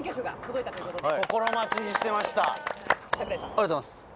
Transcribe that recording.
ありがとうございます。